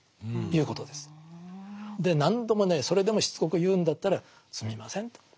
で何度もねそれでもしつこく言うんだったらすみませんと。